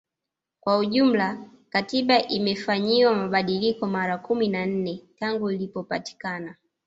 Kwa ujumla Katiba imefanyiwa mabadiliko mara kumi na nne tangu ilipopatikana